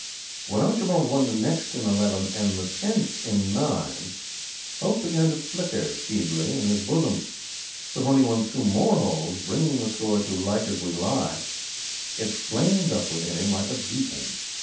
When Archibald won the next in eleven and the tenth in nine, hope began to flicker feebly in his bosom. But when he won two more holes, bringing the score to like as we lie, it flamed up within him like a beacon.